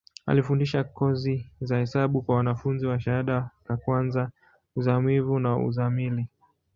Alifundisha kozi za hesabu kwa wanafunzi wa shahada ka kwanza, uzamivu na uzamili.